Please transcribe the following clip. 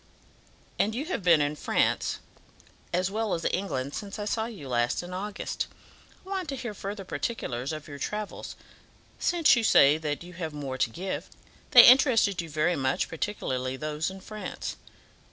And you have been in France as well as England since I saw you last in August. I want to hear further particulars of your travels, since you say that you have more to give. They interested you very much, particularly those in France."